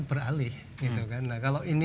beralih kalau ini